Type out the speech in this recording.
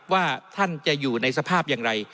ว่าท่านจะอยู่ในสภาพอย่างไร